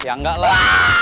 ya enggak lah